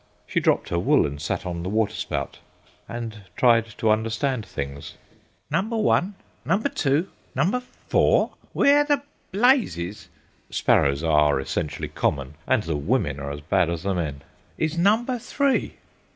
She dropped her wool and sat on the waterspout, and tried to understand things. "Number one, number two, number four; where the blazes"—sparrows are essentially common, and the women are as bad as the men—"is number three?"